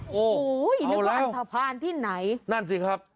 โอ้โหนึกว่าอันทภาณที่ไหนนั่นสิครับ